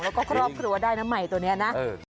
แล้วก็ครอบครัวได้นะใหม่ตัวนี้นะ